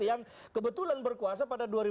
yang kebetulan berkuasa pada dua ribu enam